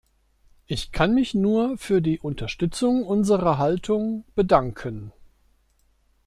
Ich kann mich nur für die Unterstützung unserer Haltung bedanken.